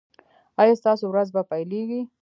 ایا ستاسو ورځ به پیلیږي؟